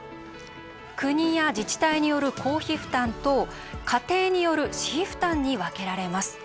国や自治体による公費負担と家庭による私費負担に分けられます。